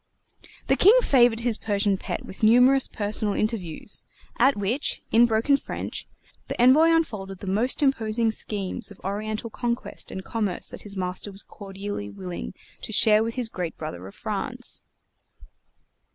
The King favored his Persian pet with numerous personal interviews, at which, in broken French, the Envoy unfolded the most imposing schemes of Oriental conquest and commerce that his master was cordially willing to share with his great brother of France.